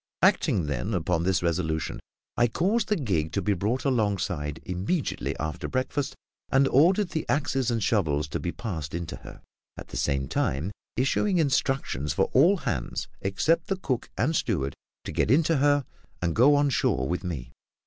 Acting, then, upon this resolution, I caused the gig to be brought alongside immediately after breakfast; and ordered the axes and shovels to be passed into her, at the same time issuing instructions for all hands except the cook and steward to get into her and go on shore with me.